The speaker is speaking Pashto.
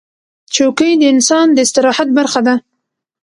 چوکۍ د انسان د استراحت برخه ده.